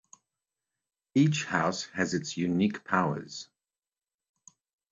Each house has its unique powers.